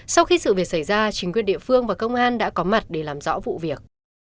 sau khi sự việc xảy ra chính quyền địa phương và công an đã có mặt để làm rõ vụ việc